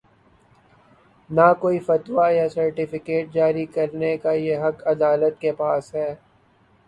نہ کوئی فتوی یا سرٹیفکیٹ جاری کر نے کا یہ حق عدالت کے پاس ہے۔